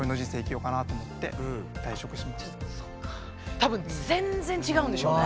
多分全然違うんでしょうね。